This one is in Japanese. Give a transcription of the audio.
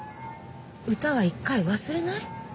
歌は一回忘れない？